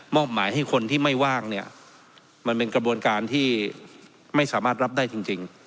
หมายให้คนที่ไม่ว่างเนี่ยมันเป็นกระบวนการที่ไม่สามารถรับได้จริง